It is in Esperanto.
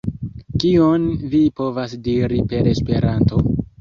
Kion vi povas diri per Esperanto?